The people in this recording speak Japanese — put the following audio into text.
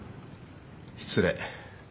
失礼。